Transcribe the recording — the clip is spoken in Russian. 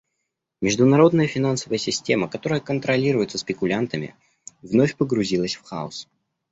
Международная финансовая система, которая контролируется спекулянтами, вновь погрузилась в хаос.